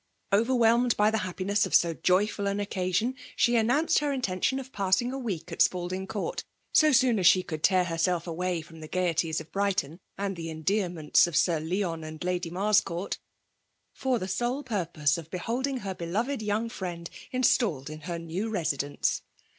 Overwhelmed by the happiness of so joyful an occasion, she announced ier intention of passing a week at Spalding Court, so soon as she could tear herself away from the gaieties of Brighton, and the endearments of Sir Leon and Lady Marscourt, for the sole purpose of beholding her beloved young fri^^* installed in her new residence.